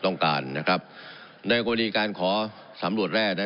ต้องการนะครับในกรณีการขอสำรวจแร่นะ